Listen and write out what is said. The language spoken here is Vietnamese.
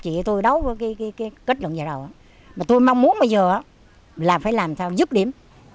chị tôi đấu với cái kết luận gì đâu mà tôi mong muốn bây giờ là phải làm sao giúp điểm